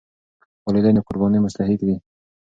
والدین د قربانۍ مستحق دي.